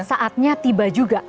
saatnya tiba juga